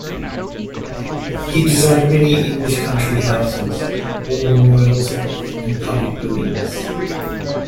He designed many English country houses, war memorials and public buildings.